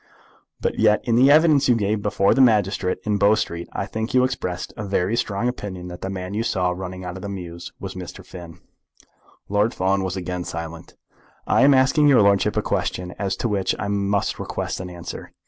"But yet in the evidence you gave before the magistrate in Bow Street I think you expressed a very strong opinion that the man you saw running out of the mews was Mr. Finn?" Lord Fawn was again silent. "I am asking your lordship a question to which I must request an answer.